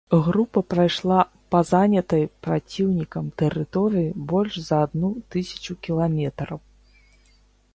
Група прайшла па занятай праціўнікам тэрыторыі больш за адну тысячу кіламетраў.